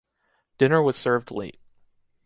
Dinner was served late.